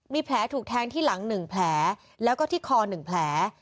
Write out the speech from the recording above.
มีแผลถูกแทงที่หลัง๑แผลแล้วก็ที่คอ๑แผล